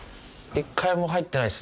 １回も入ってないです。